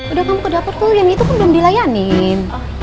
udah kamu ke dapur tuh yang itu pun belum dilayanin